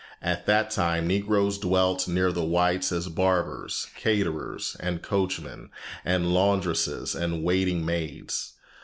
At that time Negroes dwelt near the whites as barbers, caterers, and coachmen, as laundresses and waiting maids.